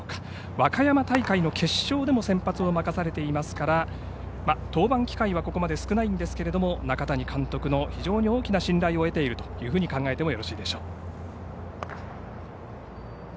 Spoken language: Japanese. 和歌山大会の決勝でも先発を任されていますから登板機会はここまで少ないんですが中谷監督の非常に大きな信頼を得ていると考えてもよろしいでしょう。